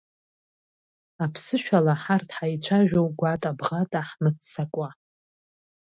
Аԥсышәала ҳарҭ ҳаицәажәо, гуата-бӷата, ҳмыццакуа.